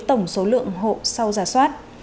tổng số lượng hộ sau giả soát